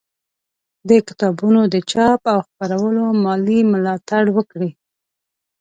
د کتابونو د چاپ او خپرولو مالي ملاتړ وکړئ